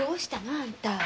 あんた。